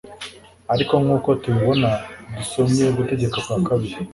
ariko nk'uko tubibona dusomye gutegeka kwa kabiri